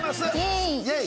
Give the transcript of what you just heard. イエーイ。